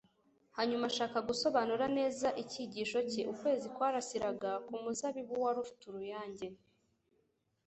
Hanyuma ashaka gusobanura neza icyigisho cye. Ukwezi kwarasiraga ku muzabibu wari ufite uruyange.